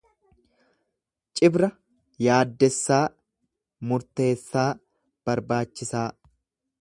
Cibra yaaddessaa, murteessaa, barbaachisaa.